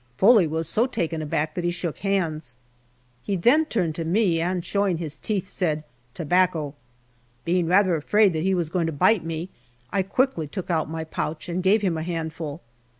Foley was so taken aback that he shook hands. He then turned to me, and showing his teeth, said, " Tobacco." Being rather afraid that he was going to bite me, I quickly took out my pouch and gave him a handful.